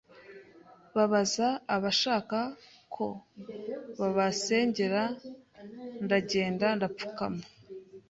babaza abashaka ko babasengera ndagenda ndapfukama